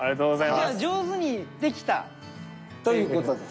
じゃあ上手にできた？という事です。